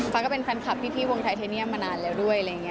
ฟ้าก็เป็นแฟนคลับพี่วงไทเทเนียมมานานแล้วด้วย